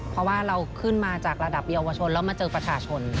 เพราะว่าเราขึ้นมาจากระดับเยาวชนแล้วมาเจอประชาชน